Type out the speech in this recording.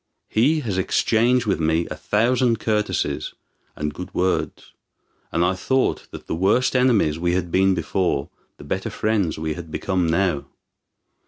He has exchanged with me a thousand courtesies and good words; and I thought that the worse enemies we had been before, the better friends we had become now.